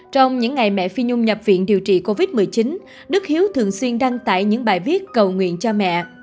trong những ngày mẹ phi nhung nhập viện điều trị covid một mươi chín đức hiếu thường xuyên đăng tải những bài viết cầu nguyện cho mẹ